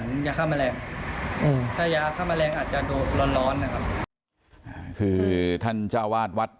ถ้าไม่เป็นแผลจะไม่เป็นไรครับ